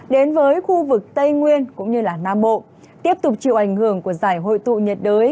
đến với khu vực tây nguyên cũng như nam bộ tiếp tục chịu ảnh hưởng của giải hội tụ nhiệt đới